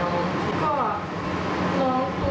แต่ว่ามันไม่ต้องฆ่าขนาดนั้นนะครับ